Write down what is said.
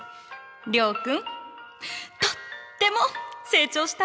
諒君とっても成長したわね。